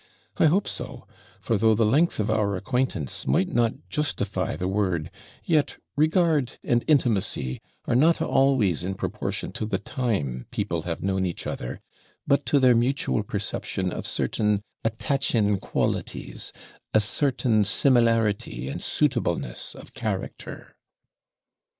I hope so; for though the length of our acquaintance might not justify the word, yet regard and intimacy are not always in proportion to the time people have known each other, but to their mutual perception of certain attaching qualities, a certain similarity and suitableness of character.'